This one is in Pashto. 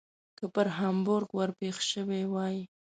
که پر هامبورګ ور پیښ شوي وای.